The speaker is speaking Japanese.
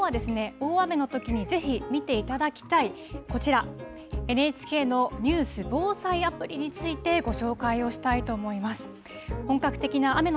きょうはですね大雨のときにぜひ見ていただきたいこちらＮＨＫのニュース・防災アプリについてご紹介をしたいと思います。